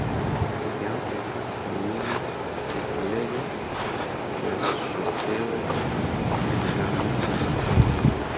Jam estis romia setlejo ĉe la ŝoseo de Bergamo al Como.